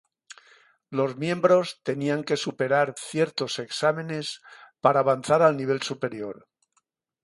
Los miembros tenían que superar ciertos exámenes para avanzar al nivel superior.